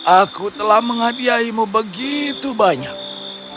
aku telah menghadiahimu begitu banyak